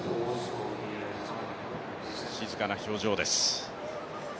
静かな表情です。